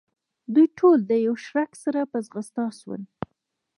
دوی ټول د یوه شړک سره په ځغاسته شول.